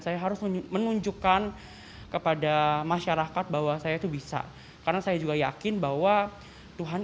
saya harus menunjukkan kepada masyarakat bahwa saya itu bisa karena saya juga yakin bahwa tuhan